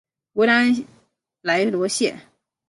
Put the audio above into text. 维兰莱罗谢。